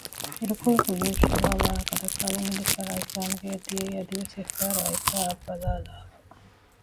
އިރުކޮޅަކު ޔޫޝައުއާ ވާހަކަދައްކާލަން އިނދެފައި އައްޒާމް ގެއަށް ދިޔައީ އަދިވެސް އެއްފަހަރު އައިކާއަށް ބަލާލާފަ